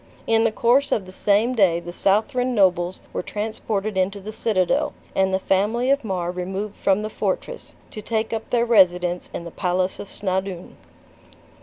In the course of the same day the Southron nobles were transported into the citadel, and the family of Mar removed from the fortress, to take up their residence in the palace of Snawdoun.